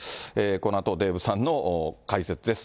このあと、デーブさんの解説です。